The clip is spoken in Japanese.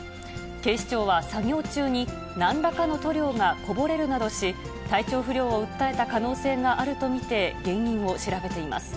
警視庁は作業中になんらかの塗料がこぼれるなどし、体調不良を訴えた可能性があると見て原因を調べています。